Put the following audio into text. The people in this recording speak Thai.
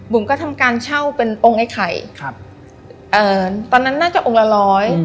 ก็ทำการเช่าเป็นองค์ไอ้ไข่ครับเอ่อตอนนั้นน่าจะองค์ละร้อย